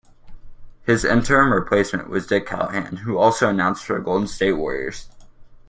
His interim replacement was Dick Callahan, who also announced for the Golden State Warriors.